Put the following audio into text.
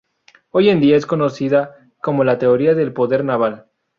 Hoy en día, es conocida como la teoría del poder naval.